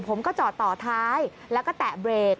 ผมก็จอดต่อท้ายแล้วก็แตะเบรก